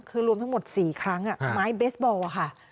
คือรวมทั้งหมด๔ครั้งไม้เบสบอลค่ะ